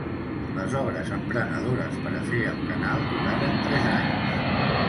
Les obres emprenedores per a fer el canal duraran tres anys.